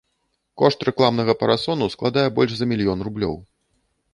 Кошт рэкламнага парасону складае больш за мільён рублёў.